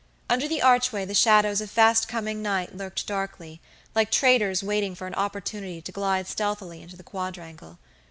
Under the archway the shadows of fastcoming night lurked darkly, like traitors waiting for an opportunity to glide stealthily into the quadrangle.